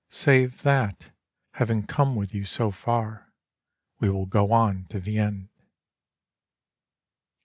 Save that, having come with you so far, We will go on to the end.